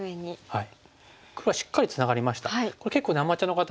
はい。